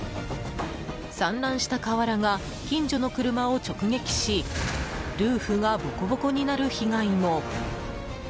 散乱した瓦が近所の車を直撃しルーフがボコボコになる被害も。